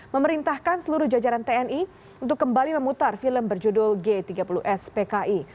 memerintahkan seluruh jajaran tni untuk kembali memutar film berjudul g tiga puluh spki